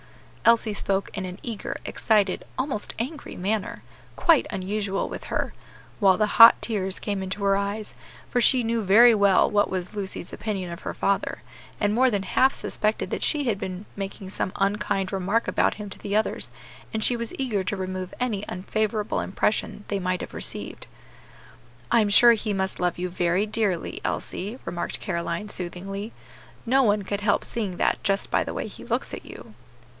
Elsie spoke in an eager, excited, almost angry manner, quite unusual with her, while the hot tears came into her eyes, for she knew very well what was Lucy's opinion of her father, and more than half suspected that she had been making some unkind remark about him to the others, and she was eager to remove any unfavorable impression they might have received. "I am sure he must love you very dearly, Elsie," remarked Caroline, soothingly; "no one could help seeing that just by the way he looks at you."